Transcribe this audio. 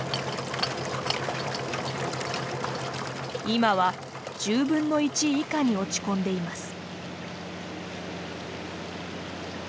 今は１０分の１以下に落ち込んでいます。